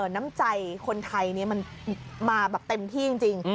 น้ำใจคนไทยมันมาแบบเต็มที่จริง